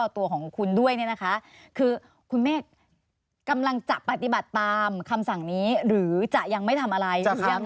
ตัวของคุณด้วยเนี่ยนะคะคือคุณเมฆกำลังจะปฏิบัติตามคำสั่งนี้หรือจะยังไม่ทำอะไร